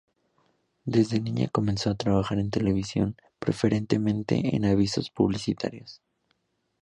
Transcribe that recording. Desde niña comenzó a trabajar en televisión, preferentemente en avisos publicitarios.